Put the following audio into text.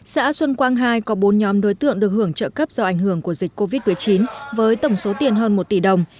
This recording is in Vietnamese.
xã xuân quang hai có bốn nhóm đối tượng được hưởng trợ cấp do ảnh hưởng của dịch covid một mươi chín với tổng số tiền hơn một tỷ đồng